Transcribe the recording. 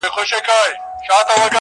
• ږغ مي اوری؟ دا زما چیغي در رسیږي؟ -